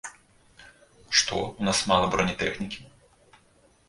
Што, у нас мала бронетэхнікі?!